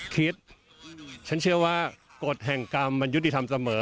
คิดฉันเชื่อว่ากฎแห่งกรรมมันยุติธรรมเสมอ